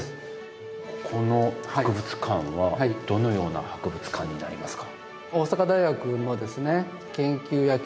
ここの博物館はどのような博物館になりますか？